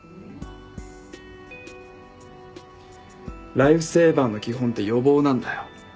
ライフセーバーの基本って予防なんだよ。